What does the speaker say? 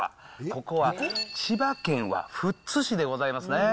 ここは千葉県は富津市でございますね。